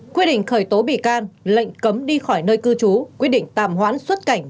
quyết định khởi tố bị can lệnh cấm đi khỏi nơi cư trú quyết định tạm hoãn xuất cảnh